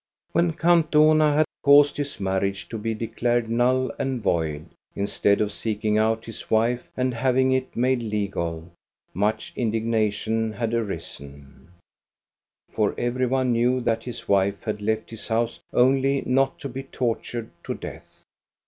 When Count Dohna had caused his marriage to be declared null and void, instead of seeking out his wife and having it made legal, much indignation had arisen ; for every one knew that his wife had left his house only not to be tortured to death.